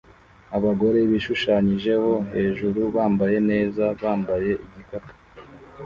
Abagore bishushanyijeho hejuru bambaye neza bambaye igikapu